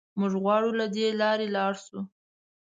موږ غواړو له دې لارې لاړ شو.